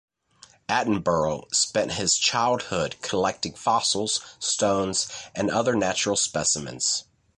Attenborough spent his childhood collecting fossils, stones and other natural specimens.